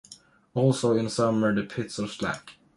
Also, in summer, the pits are slack.